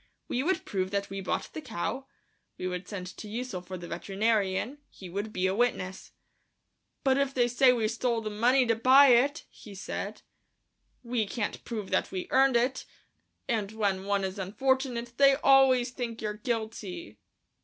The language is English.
We would prove that we bought the cow; we would send to Ussel for the veterinarian ... he would be a witness. "But if they say we stole the money to buy it," he said, "we can't prove that we earned it, and when one is unfortunate they always think you're guilty."